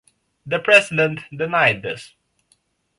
The president denied this.